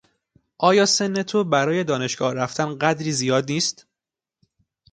آیا سن تو برای دانشگاه رفتن قدری زیاد نیست؟